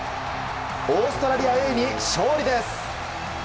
オーストラリアＡに勝利です。